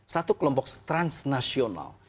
satu kelompok transnasional